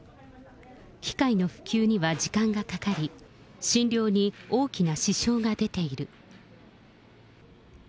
機械の復旧には時間がかかり、診療に大きな支障が出ている。